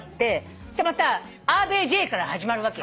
そしたらまたアーベージェーから始まるわけよ。